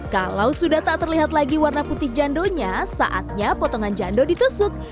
kalau sudah tak terlihat lagi warna putih jandonya saatnya potongan jando ditusuk